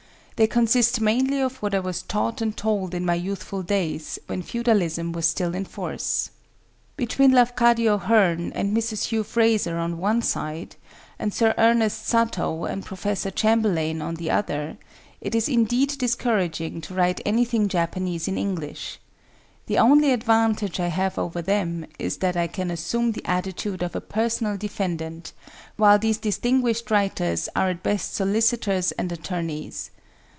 They consist mainly of what I was taught and told in my youthful days, when Feudalism was still in force. Between Lafcadio Hearn and Mrs. Hugh Fraser on one side and Sir Ernest Satow and Professor Chamberlain on the other, it is indeed discouraging to write anything Japanese in English. The only advantage I have over them is that I can assume the attitude of a personal defendant, while these distinguished writers are at best solicitors and attorneys.